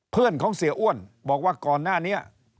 เพื่อนของเสียอ้วนบอกว่าก่อนหน้านี้